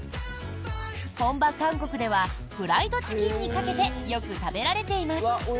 本場・韓国ではフライドチキンにかけてよく食べられています。